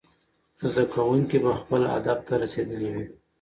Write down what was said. زده کوونکي به خپل هدف ته رسېدلي وي.